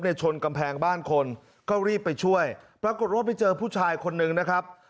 ชนกำแพงบ้านคนก็รีบไปช่วยปรากฏว่าไปเจอผู้ชายคนนึงนะครับ